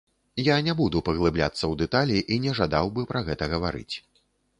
Я не буду паглыбляцца ў дэталі і не жадаў бы пра гэта гаварыць.